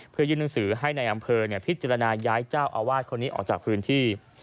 เพื่อยื่นหนังสือให้ในอำเภอพิจารณาย้ายเจ้าอาวาสคนนี้ออกจากพื้นที่